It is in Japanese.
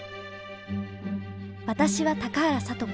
私は高原聡子。